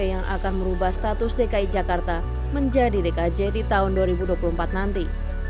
yang akan merubah status dki jakarta menjadi dkj di tahun dua ribu dua puluh empat nanti